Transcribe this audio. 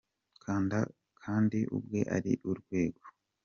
Kandi ubwe ari urwego